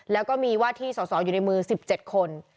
แล้วก็มีว่าที่สอสออยู่ในมือ๑๗คน